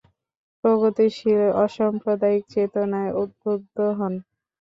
প্রগতিশীল অসাম্প্রদায়িক চেতনায় উদ্বুদ্ধ হন।